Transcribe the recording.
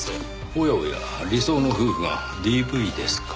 おやおや理想の夫婦がＤＶですか。